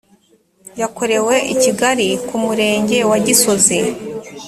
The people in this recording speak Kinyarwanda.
yakorewe i kigali ku murenge wa gisozi